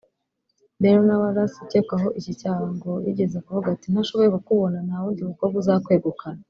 Berlinah Wallace ucyekwaho iki cyaba ngo yigeze kuvuga ati “Ntashoboye ku kubona nta wundi mukobwa uzakwegukana